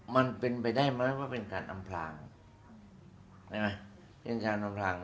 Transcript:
มันเป็นไปได้ไหมว่าเป็นการอำพลางเป็นการอำพลาง